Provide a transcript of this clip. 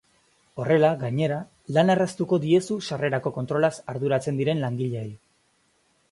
Horrela, gainera, lana erraztuko diezu sarrerako kontrolaz arduratzen diren langileei.